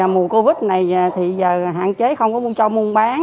mùa covid này thì giờ hạn chế không có cho muôn bán